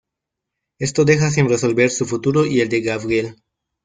Esto deja sin resolver su futuro y el de Gabriel.